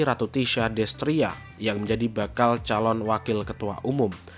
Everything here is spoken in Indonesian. ratu tisha destria yang menjadi bakal calon wakil ketua umum